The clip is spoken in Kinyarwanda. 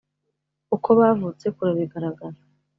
uko bavutse kurabigaragaza